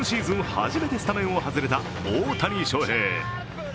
初めてスタメンを外れた大谷翔平。